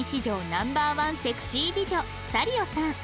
ナンバーワンセクシー美女サリオさん